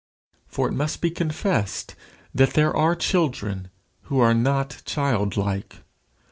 For it must be confessed that there are children who are not childlike.